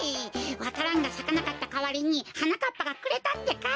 わか蘭がさかなかったかわりにはなかっぱがくれたってか！